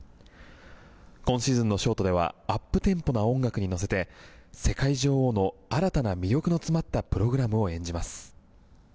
今シーズンのショートではアップテンポな音楽に乗せて世界女王の新たな魅力の詰まったプログラムを演じます。